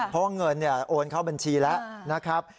เพราะว่าเงินโอนเข้าบัญชีแล้วนะครับ